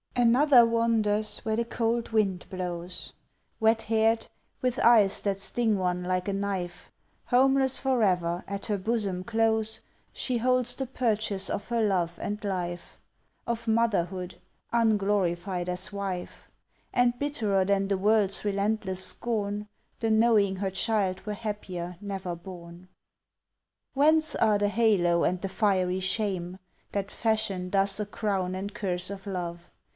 Another wanders where the cold wind blows, Wet haired, with eyes that sting one like a knife. Homeless forever, at her bosom close She holds the purchase of her love and life, Of motherhood, unglorified as wife; And bitterer than the world's relentless scorn The knowing her child were happier never born. Whence are the halo and the fiery shame That fashion thus a crown and curse of love?